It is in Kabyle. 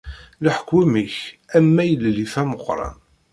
Leḥkwem-ik, am maylellif ameqqran.